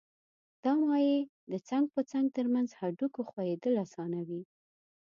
دا مایع د څنګ په څنګ تر منځ هډوکو ښویېدل آسانوي.